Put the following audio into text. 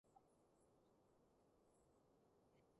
睇個陣㩒一下台灣正體咪得囉